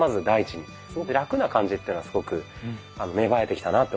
すごくラクな感じっていうのがすごく芽生えてきたなと思いますね。